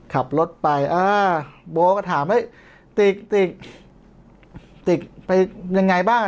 ขับรถไปเบาะก็ถามเฮ้ยติกไปยังไงบ้าง